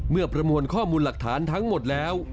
ประมวลข้อมูลหลักฐานทั้งหมดแล้ว